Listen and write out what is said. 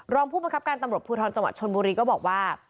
รองผู้บังคับการตำรวจภูทรจังหวัดชนบุรีก็บอกว่า